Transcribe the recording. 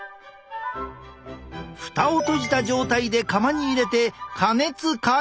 蓋を閉じた状態で窯に入れて加熱開始！